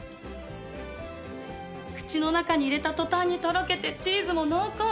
口の中に入れた途端にとろけてチーズも濃厚！